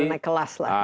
naik kelas lah